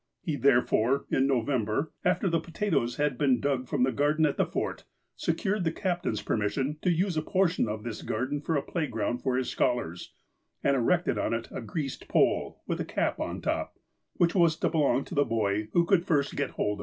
He, therefore, in November, after the potatoes had been dug from the garden at the Fort, secured the captain's permission to use a portion of this garden for a play ground for his scholars, and erected on it a greased pole, with a cap on top, which was to belong to the boy who could first get hold of it.